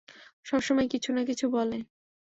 সবসময় কিছু না কিছু বলে।